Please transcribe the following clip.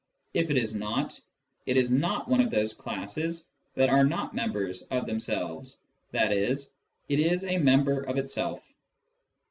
If it is not, it is not one of those classes that are not members of themselves, i.e. it is a member of itself.